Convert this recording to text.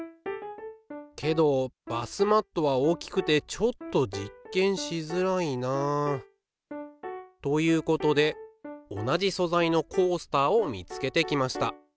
けどバスマットは大きくてちょっと実験しづらいなあ。ということで同じ素材のコースターを見つけてきました。